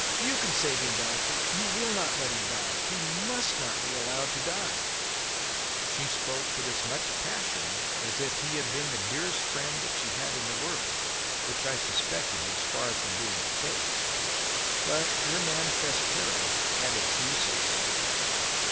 "You can save him, doctor! You will not let him die! He must not be allowed to die!" She spoke with as much passion as if he had been the dearest friend that she had in the world, which I suspected was far from being the case. But her manifest terror had its uses.